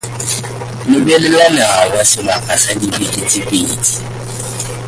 Lebelela nawa sebaka sa dibeke tse pedi.